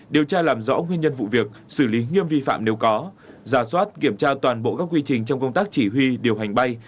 điều tra làm rõ nguyên nhân vụ việc xử lý nghiêm vi phạm nếu có giả soát kiểm tra toàn bộ các quy trình trong công tác chỉ huy điều hành bay